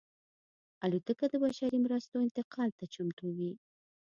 الوتکه د بشري مرستو انتقال ته چمتو وي.